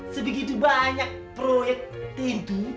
sebegitu banyak proyek tentu